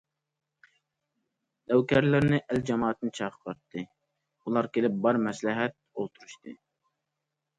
نۆكەرلىرىنى، ئەل- جامائەتنى چاقىرتتى، ئۇلار كېلىپ بار مەسلىھەت ئولتۇرۇشتى.